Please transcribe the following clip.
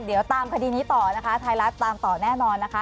เดี๋ยวตามคดีนี้ต่อนะคะไทยรัฐตามต่อแน่นอนนะคะ